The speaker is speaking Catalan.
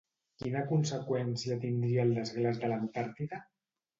Quina conseqüència tindria el desglaç de l'Antàrtida?